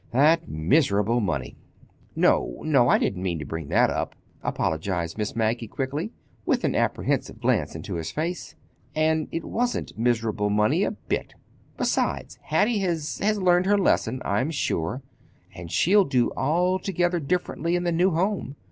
"That miserable money!" "No, no—I didn't mean to bring that up," apologized Miss Maggie quickly, with an apprehensive glance into his face. "And it wasn't miserable money a bit! Besides, Hattie has—has learned her lesson, I'm sure, and she'll do altogether differently in the new home.